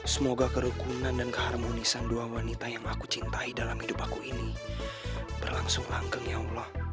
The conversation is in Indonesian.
semoga kerukunan dan keharmonisan dua wanita yang aku cintai dalam hidupku ini berlangsung angkeng ya allah